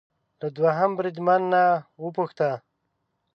له دوهم بریدمن نه وپوښته